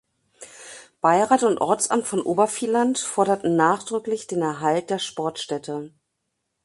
Beirat und Ortsamt von Obervieland forderten nachdrücklich den Erhalt der Sportstätte.